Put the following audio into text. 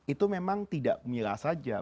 itu memang tidak mila saja